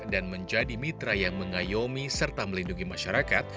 dan menjadi mitra yang mengayomi serta melindungi masyarakat